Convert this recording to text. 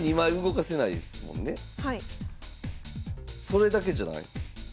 それだけじゃない？